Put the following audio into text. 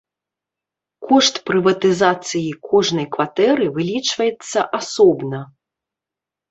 Кошт прыватызацыі кожнай кватэры вылічваецца асобна.